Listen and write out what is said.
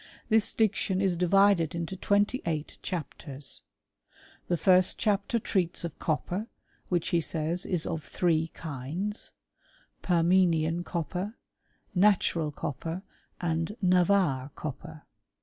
This diction is divided into twenty eight chapters : the first chapter treats of copper, which, he says, is of three kinds; permenian copper, natural copper, and Navarre copper.